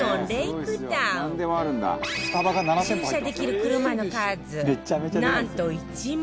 駐車できる車の数なんと１万台